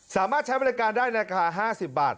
สามารถใช้วรรยาการได้ในกาล๕๐บาท